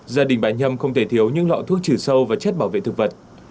gia đình bà nhâm không thể thiếu những lọ thuốc trừ sâu và chất bảo vệ thực vật